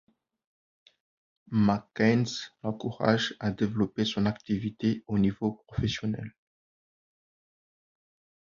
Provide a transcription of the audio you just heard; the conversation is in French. McInnes l'encourage à développer son activité au niveau professionnel.